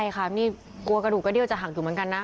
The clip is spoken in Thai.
กลัวกระดูกกระเดี้ยวจะหังอยู่เหมือนกัน